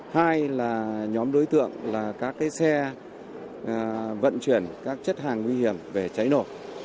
hai là nhóm đối tượng là các xe vận chuyển các chất hàng nguy hiểm về cháy nổ